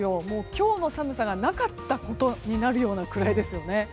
今日の寒さがなかったことになるようなくらいですよね。